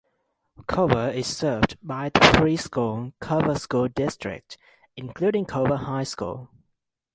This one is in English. Culver is served by the three-school Culver School District, including Culver High School.